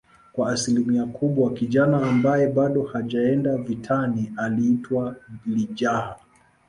kwa asilimia kubwa kijana ambaye bado hajaenda vitani aliitwa lijaha